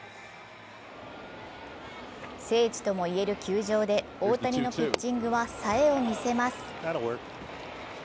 聖地ともいえる球場で大谷のピッチングは冴えを見せます。